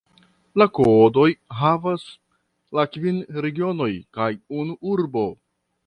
La kodojn havas la kvin regionoj kaj unu urbo.